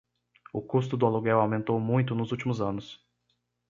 O custo do aluguel aumentou muito nos últimos anos.